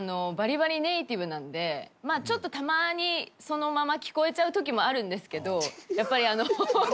バリバリネイティブなのでちょっとたまーにそのまま聞こえちゃう時もあるんですけどやっぱりあの。